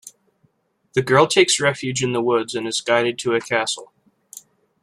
The girl takes refuge in the woods and is guided to a castle.